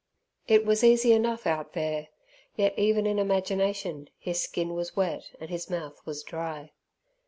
It was easy enough out there, yet even in imagination his skin was wet and his mouth was dry.